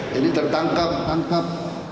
jadi tertangkap tangkap